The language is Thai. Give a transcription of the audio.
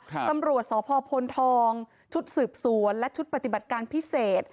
ตำรวจสพพลทองชุดสืบสวนและชุดปฏิบัติการพิเศษ